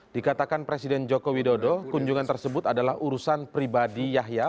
dikatakan presiden joko widodo kunjungan tersebut adalah urusan pribadi yahya